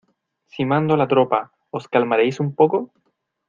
Si mando a la tropa, ¿ os calmaréis un poco?